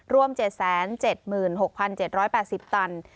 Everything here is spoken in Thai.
รวม๗๗๖๗๘๐ตัน